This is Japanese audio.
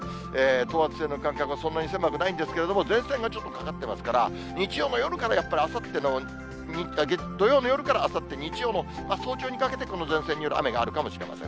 等圧線の間隔はそんなに狭くないんですけれども、前線がちょっとかかってますから、日曜の夜から、やっぱり土曜の夜からあさっての日曜にかけて、早朝にかけてこの前線による雨があるかもしれません。